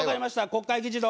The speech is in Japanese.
国会議事堂。